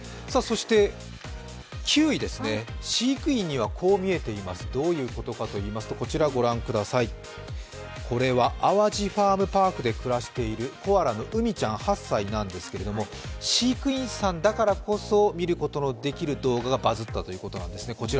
９位、「飼育員にはこうみえてます」、どういうことかというとこれは淡路ファームパークで暮らしているコアラのウミちゃん８歳なんですけれども、飼育員さんだからこそ見ることができる映像がこちらです。